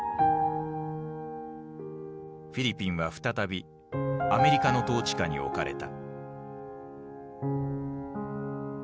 フィリピンは再びアメリカの統治下に置かれた。